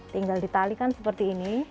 tinggal ditalikan seperti ini